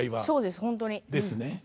そうですほんとに。ですね。